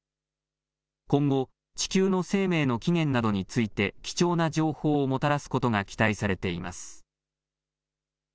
今後、地球の生命の起源などについて貴重な情報をもたらすことが期待されています。